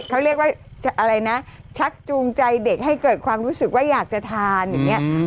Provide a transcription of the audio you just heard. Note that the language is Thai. เขาเรียกว่าอะไรนะชักจูงใจเด็กให้เกิดความรู้สึกว่าอยากจะทานอย่างนี้